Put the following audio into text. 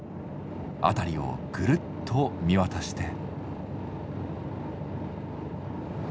あたりをぐるっと見渡して。